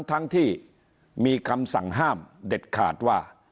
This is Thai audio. ทั้งที่มีคำสั่งห้ามเด็ดขาดว่า